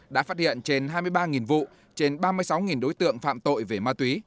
đã phát hiện trên hai mươi ba vụ trên ba mươi sáu đối tượng phạm tội về ma túy